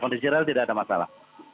kondisi real tidak ada masalah